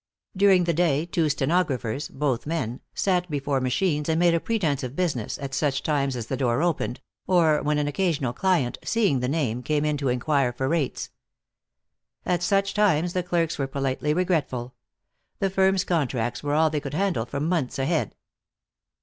During the day two stenographers, both men, sat before machines and made a pretense of business at such times as the door opened, or when an occasional client, seeing the name, came in to inquire for rates. At such times the clerks were politely regretful. The firm's contracts were all they could handle for months ahead.